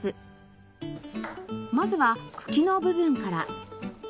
まずは茎の部分から。